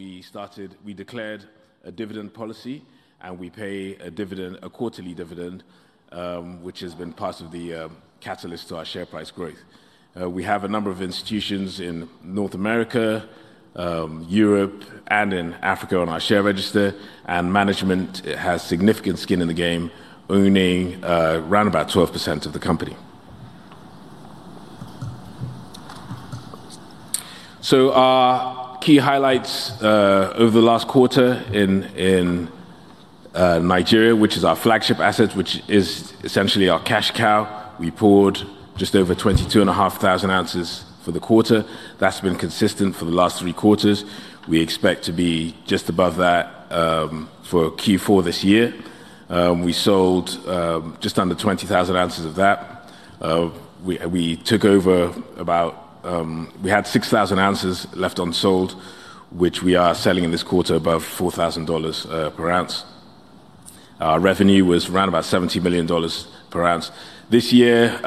We started—we declared a dividend policy, and we pay a dividend, a quarterly dividend, which has been part of the catalyst to our share price growth. We have a number of institutions in North America, Europe, and in Africa on our share register, and management has significant skin in the game, owning around about 12% of the company. Our key highlights over the last quarter in Nigeria, which is our flagship asset, which is essentially our cash cow. We poured just over 22,500 ounces for the quarter. That's been consistent for the last three quarters. We expect to be just above that for Q4 this year. We sold just under 20,000 ounces of that. We took over about—we had 6,000 ounces left unsold, which we are selling in this quarter above $4,000 per ounce. Our revenue was around about $70 million per ounce. This year,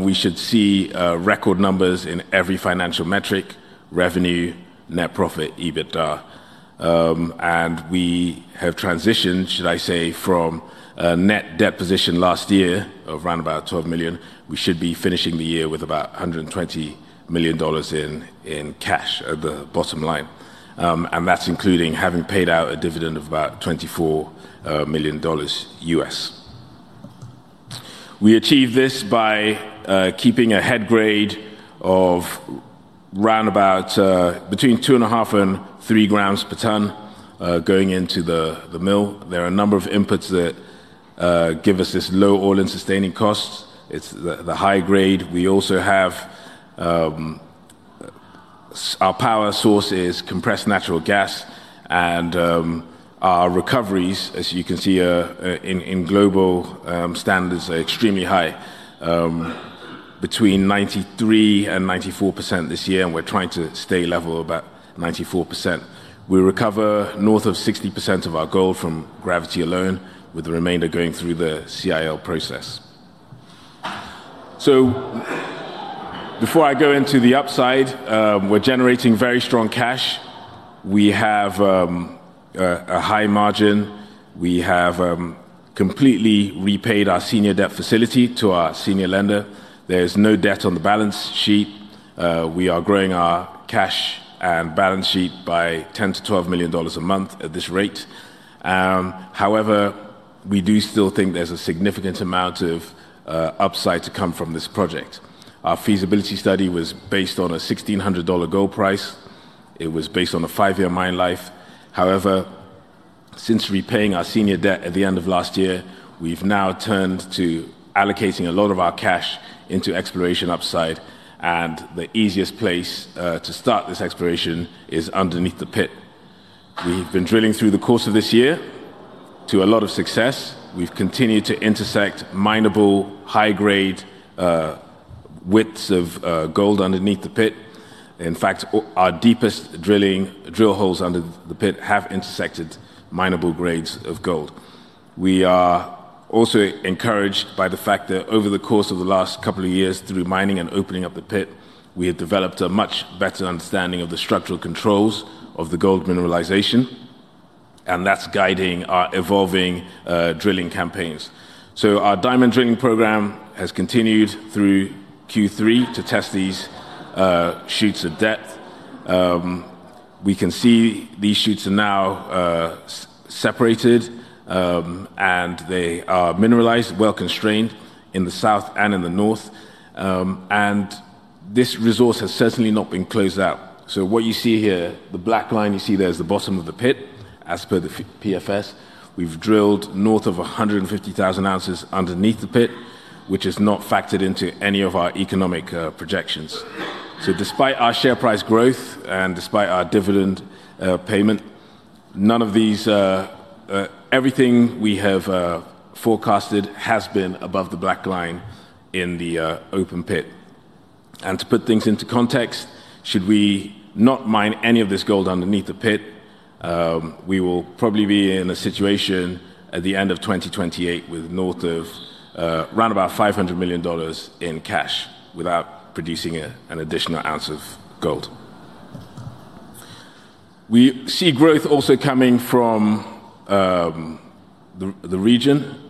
we should see record numbers in every financial metric: revenue, net profit, EBITDA. We have transitioned, should I say, from a net debt position last year of around about $12 million. We should be finishing the year with about $120 million in cash at the bottom line. That is including having paid out a dividend of about $24 million U.S. We achieved this by keeping a head grade of round about between two and a half and three grams per ton going into the mill. There are a number of inputs that give us this low all-in sustaining costs. It is the high grade. We also have—our power source is compressed natural gas, and our recoveries, as you can see in global standards, are extremely high, between 93% and 94% this year, and we are trying to stay level about 94%. We recover north of 60% of our gold from gravity alone, with the remainder going through the CIL process. Before I go into the upside, we're generating very strong cash. We have a high margin. We have completely repaid our senior debt facility to our senior lender. There is no debt on the balance sheet. We are growing our cash and balance sheet by $10 million-$12 million a month at this rate. However, we do still think there's a significant amount of upside to come from this project. Our Feasibility Study was based on a $1,600 gold price. It was based on a five-year mine life. However, since repaying our senior debt at the end of last year, we've now turned to allocating a lot of our cash into exploration upside, and the easiest place to start this exploration is underneath the pit. We've been drilling through the course of this year to a lot of success. We've continued to intersect mineable, high-grade widths of gold underneath the pit. In fact, our deepest drilling drill holes under the pit have intersected mineable grades of gold. We are also encouraged by the fact that over the course of the last couple of years, through mining and opening up the pit, we have developed a much better understanding of the structural controls of the gold mineralization, and that's guiding our evolving drilling campaigns. Our diamond drilling program has continued through Q3 to test these chutes of depth. We can see these chutes are now separated, and they are mineralized, well-constrained in the south and in the north. This resource has certainly not been closed out. What you see here, the black line you see there, is the bottom of the pit as per the PFS. We've drilled north of 150,000 ounces underneath the pit, which is not factored into any of our economic projections. Despite our share price growth and despite our dividend payment, none of these—everything we have forecasted has been above the black line in the open pit. To put things into context, should we not mine any of this gold underneath the pit, we will probably be in a situation at the end of 2028 with north of around about $500 million in cash without producing an additional ounce of gold. We see growth also coming from the region.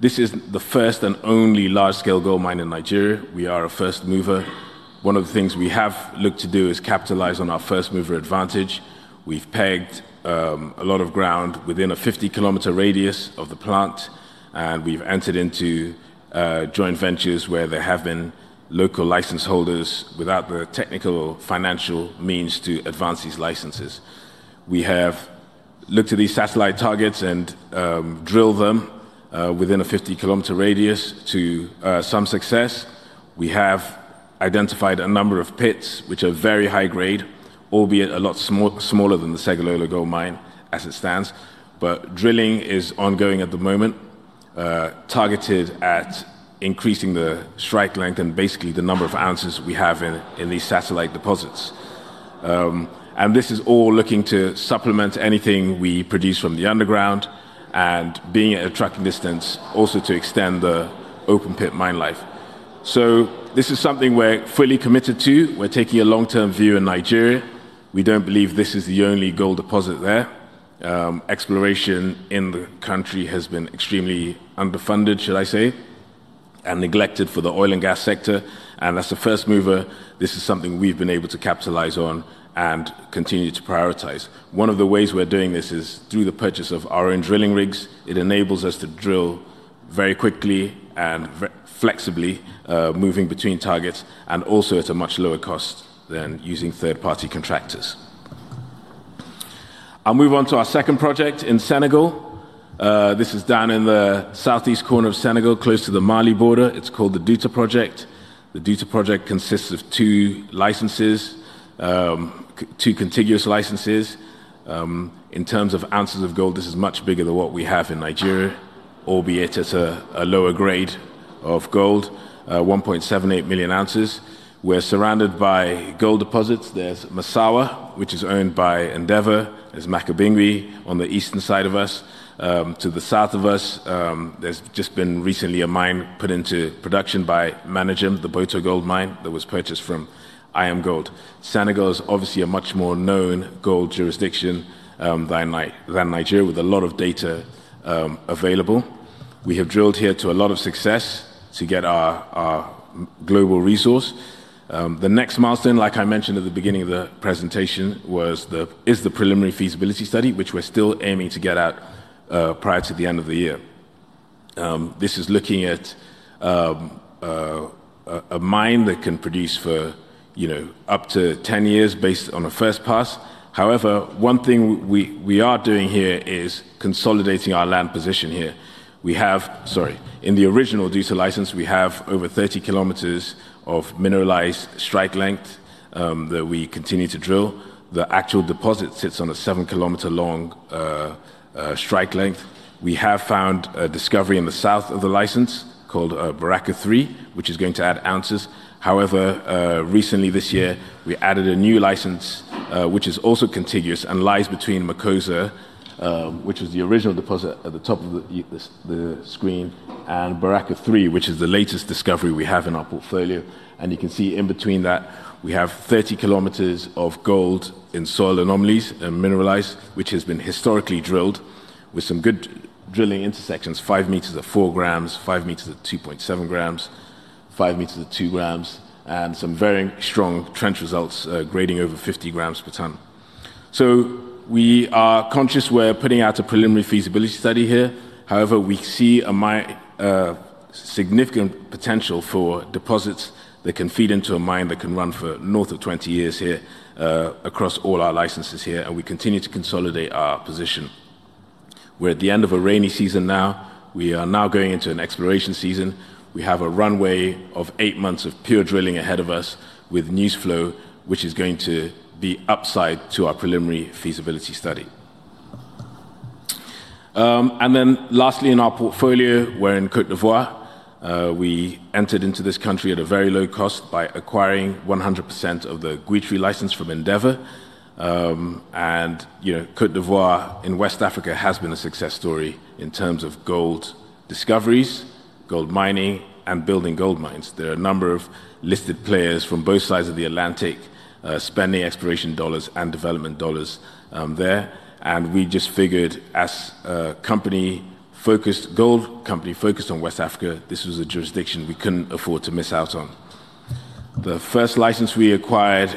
This is the first and only large-scale gold mine in Nigeria. We are a first mover. One of the things we have looked to do is capitalize on our first mover advantage. We've pegged a lot of ground within a 50 km radius of the plant, and we've entered into joint ventures where there have been local license holders without the technical or financial means to advance these licenses. We have looked at these satellite targets and drilled them within a 50 km radius to some success. We have identified a number of pits which are very high grade, albeit a lot smaller than the Segilola Gold Mine as it stands. Drilling is ongoing at the moment, targeted at increasing the strike length and basically the number of ounces we have in these satellite deposits. This is all looking to supplement anything we produce from the underground and being at a trucking distance also to extend the open pit mine life. This is something we're fully committed to. We're taking a long-term view in Nigeria. We don't believe this is the only gold deposit there. Exploration in the country has been extremely underfunded, should I say, and neglected for the oil and gas sector. As a first mover, this is something we've been able to capitalize on and continue to prioritize. One of the ways we're doing this is through the purchase of our own drilling rigs. It enables us to drill very quickly and flexibly, moving between targets, and also at a much lower cost than using third-party contractors. I'll move on to our second project in Senegal. This is down in the southeast corner of Senegal, close to the Mali border. It's called the Douta Project. The Douta Project consists of two licenses, two contiguous licenses. In terms of ounces of gold, this is much bigger than what we have in Nigeria, albeit at a lower grade of gold, 1.78 million ounces. We're surrounded by gold deposits. There's Massawa, which is owned by Endeavour. There's Makabingui on the eastern side of us. To the south of us, there's just been recently a mine put into production by Managem, the Boto Gold Mine, that was purchased from IAMGOLD. Senegal is obviously a much more known gold jurisdiction than Nigeria, with a lot of data available. We have drilled here to a lot of success to get our global resource. The next milestone, like I mentioned at the beginning of the presentation, is the preliminary feasibility study, which we're still aiming to get out prior to the end of the year. This is looking at a mine that can produce for up to 10 years based on a first pass. However, one thing we are doing here is consolidating our land position here. We have, sorry, in the original Douta license, we have over 30 km of mineralized strike length that we continue to drill. The actual deposit sits on a seven-km-long strike length. We have found a discovery in the south of the license called Baraka 3, which is going to add ounces. However, recently this year, we added a new license, which is also contiguous and lies between Makosa, which was the original deposit at the top of the screen, and Baraka 3, which is the latest discovery we have in our portfolio. You can see in between that we have 30 km of gold in soil anomalies and mineralized, which has been historically drilled with some good drilling intersections: five meters at 4 grams, five meters at 2.7 grams, five meters at 2 grams, and some very strong trench results grading over 50 grams per ton. We are conscious we're putting out a preliminary feasibility study here. However, we see significant potential for deposits that can feed into a mine that can run for north of 20 years here across all our licenses here, and we continue to consolidate our position. We are at the end of a rainy season now. We are now going into an exploration season. We have a runway of eight months of pure drilling ahead of us with news flow, which is going to be upside to our Preliminary Feasibility Study. Lastly, in our portfolio, we're in Côte d'Ivoire. We entered into this country at a very low cost by acquiring 100% of the Guitry license from Endeavour. Côte d'Ivoire in West Africa has been a success story in terms of gold discoveries, gold mining, and building gold mines. There are a number of listed players from both sides of the Atlantic spending exploration dollars and development dollars there. We just figured as a company-focused gold company focused on West Africa, this was a jurisdiction we could not afford to miss out on. The first license we acquired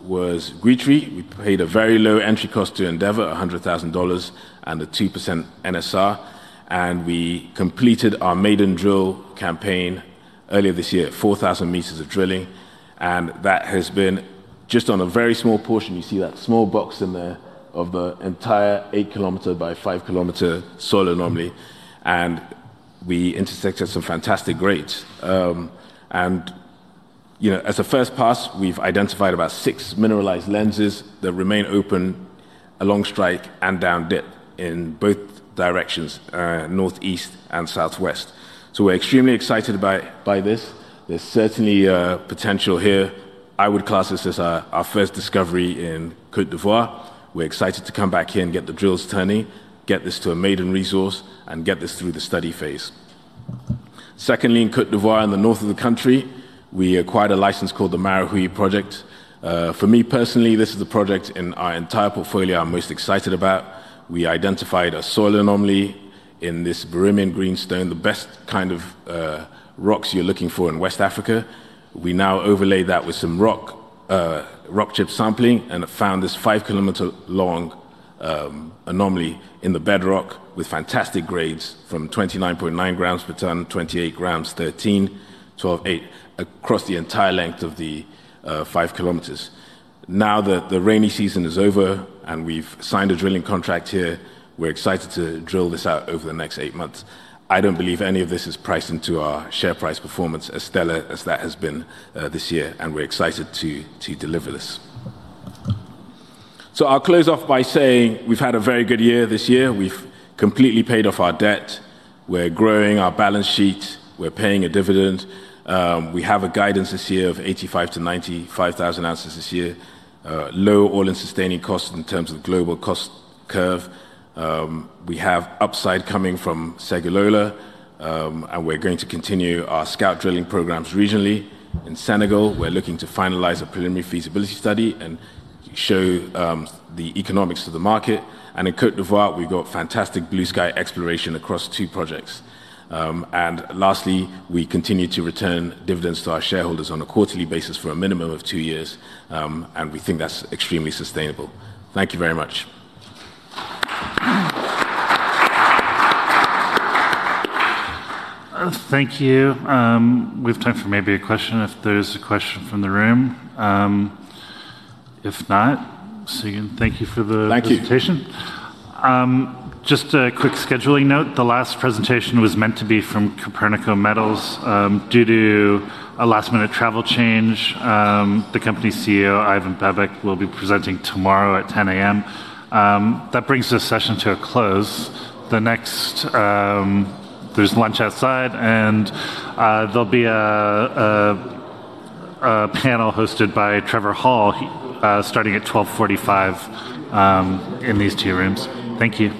was Guitry. We paid a very low entry cost to Endeavour, $100,000, and a 2% NSR. We completed our maiden drill campaign earlier this year, 4,000 meters of drilling. That has been just on a very small portion. You see that small box in there of the entire eight-km by five-km soil anomaly. We intersected some fantastic grades. As a first pass, we've identified about six mineralized lenses that remain open along strike and down dip in both directions, northeast and southwest. We are extremely excited by this. There is certainly potential here. I would class this as our first discovery in Côte d'Ivoire. We are excited to come back here and get the drills turning, get this to a maiden resource, and get this through the study phase. Secondly, in Côte d'Ivoire, in the north of the country, we acquired a license called the Marahui Project. For me personally, this is the project in our entire portfolio I am most excited about. We identified a soil anomaly in this Birimian Greenstone, the best kind of rocks you are looking for in West Africa. We now overlay that with some rock chip sampling and found this five-km-long anomaly in the bedrock with fantastic grades from 29.9 grams per ton, 28 grams, 13, 12, 8 across the entire length of the five km. Now that the rainy season is over and we've signed a drilling contract here, we're excited to drill this out over the next eight months. I don't believe any of this is priced into our share price performance as stellar as that has been this year, and we're excited to deliver this. I'll close off by saying we've had a very good year this year. We've completely paid off our debt. We're growing our balance sheet. We're paying a dividend. We have a guidance this year of 85,000-95,000 ounces this year, low all-in sustaining costs in terms of global cost curve. We have upside coming from Segilola, and we're going to continue our scout drilling programs regionally. In Senegal, we're looking to finalize a Preliminary Feasibility Study and show the economics of the market. In Côte d'Ivoire, we've got fantastic blue sky exploration across two projects. Lastly, we continue to return dividends to our shareholders on a quarterly basis for a minimum of two years, and we think that's extremely sustainable. Thank you very much. Thank you. We have time for maybe a question if there's a question from the room. If not, Segun, thank you for the presentation. Thank you. Just a quick scheduling note. The last presentation was meant to be from Coppernico Metals. Due to a last-minute travel change, the company CEO, Ivan Bebek, will be presenting tomorrow at 10:00 A.M. That brings this session to a close. There's lunch outside, and there'll be a panel hosted by Trevor Hall starting at 12:45 in these two rooms. Thank you.